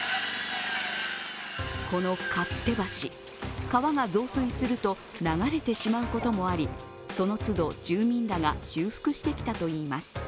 この勝手橋、川が増水すると流れてしまうこともありその都度、住民らが修復してきたといいます。